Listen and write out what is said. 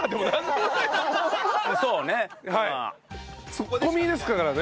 ツッコミですからね。